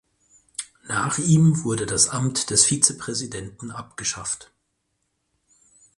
Nach ihm wurde das Amt des Vizepräsidenten abgeschafft.